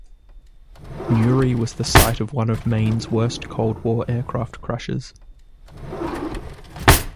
Newry was the site of one of Maine's worst Cold War aircraft crashes.